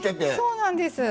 そうなんです。